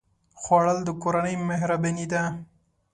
خوړل د کورنۍ مهرباني ده